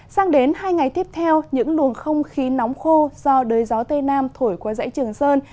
sang đến hai ngày tiếp theo những luồng không khí nóng khô do đới gió tây nam thổi qua dãy trường sơn